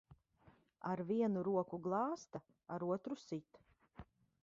Ar vienu roku glāsta, ar otru sit.